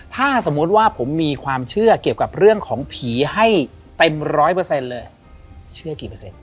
ถ้าสมมุติว่าผมมีความเชื่อเกี่ยวกับเรื่องของผีให้เต็มร้อยเปอร์เซ็นต์เลยเชื่อกี่เปอร์เซ็นต